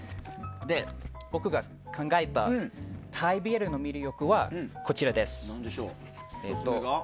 僕が考えた、タイＢＬの魅力はこちらです。